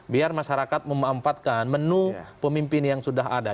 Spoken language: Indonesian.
biar masyarakat memanfaatkan menu pemimpin yang sudah ada